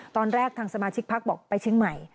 ตอนแรกทางสมาชิกพักบอกไปเชียงใหม่